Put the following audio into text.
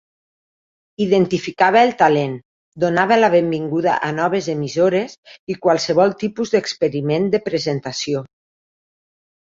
Identificava el talent, donava la benvinguda a noves emissores i qualsevol tipus d'experiment de presentació.